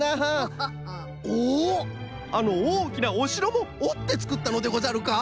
あのおおきなおしろもおってつくったのでござるか？